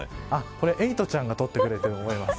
これはエイトちゃんが撮ってくれてると思います。